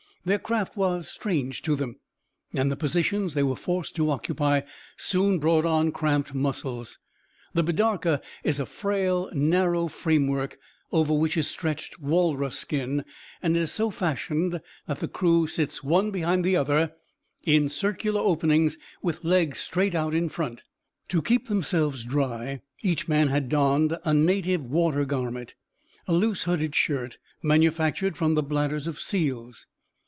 Their craft was strange to them, and the positions they were forced to occupy soon brought on cramped muscles. The bidarka is a frail, narrow framework over which is stretched walrus skin, and it is so fashioned that the crew sits, one behind the other, in circular openings with legs straight out in front. To keep themselves dry each man had donned a native water garment a loose, hooded shirt manufactured from the bladders of seals.